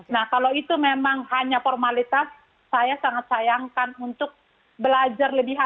nah kalau itu memang hanya formalitas saya sangat sayangkan untuk belajar lebih halal